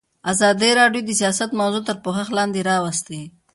ازادي راډیو د سیاست موضوع تر پوښښ لاندې راوستې.